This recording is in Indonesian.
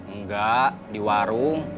enggak di warung